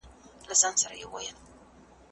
پوهانو وويل چي انساني کرامت تر هر څه لوړ دی.